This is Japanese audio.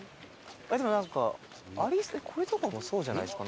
でもなんかこれとかもそうじゃないですか？